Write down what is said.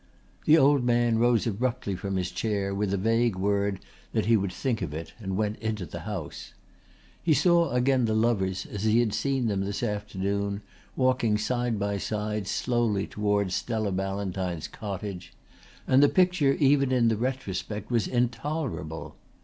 The old man rose abruptly from his chair with a vague word that he would think of it and went into the house. He saw again the lovers as he had seen them this afternoon walking side by side slowly towards Stella Ballantyne's cottage; and the picture even in the retrospect was intolerable.